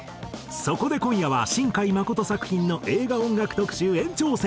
そこで今夜は新海誠作品の映画音楽特集延長戦。